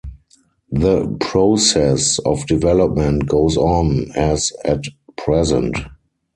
The process of development goes on as at present.